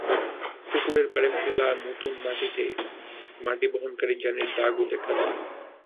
পুকুরের পাড়ে ফেলা নতুন মাটিতে মাটি বহনকারী যানের চাকার দাগও দেখা যায়।